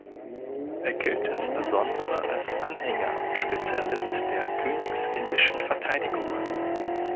Er gilt insbesondere als Anhänger und Spezialist der Königsindischen Verteidigung.